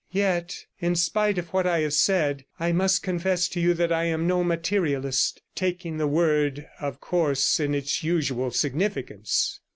Yet, in spite of what I have said, I must confess to you that I am no materialist, taking the word of course in its usual signification.